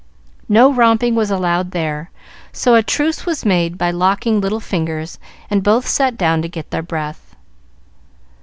No romping was allowed there, so a truce was made by locking little fingers, and both sat down to get their breath.